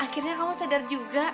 akhirnya kamu sedar juga